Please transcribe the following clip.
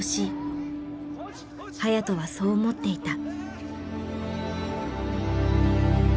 颯人はそう思っていた。